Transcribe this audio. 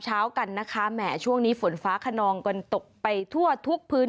เช้ากันนะคะแหมช่วงนี้ฝนฟ้าขนองกันตกไปทั่วทุกพื้น